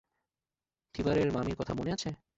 থীভারের মামির কথা মনে আছে?